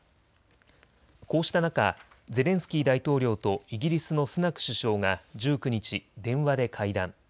こうした中、ゼレンスキー大統領とイギリスのスナク首相が１９日、電話で会談。